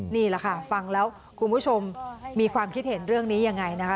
นี่แหละค่ะฟังแล้วคุณผู้ชมมีความคิดเห็นเรื่องนี้ยังไงนะคะ